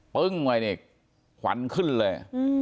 ปึ้งไว้นี่ขวัญขึ้นเลย